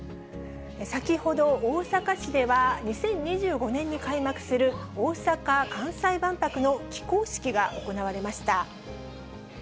先ほど大阪市では、２０２５年に開幕する、大阪・関西万博の起工式が行われました。